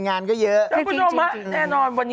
หัวมะห่ม